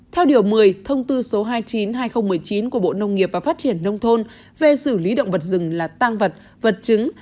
theo điều một mươi thông tư số hai mươi chín hai nghìn một mươi chín của bộ nông nghiệp và phát triển nông thôn về xử lý động vật rừng là tăng vật vật chứng